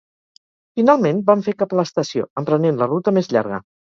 Finalment, vam fer cap a l'estació, emprenent la ruta més llarga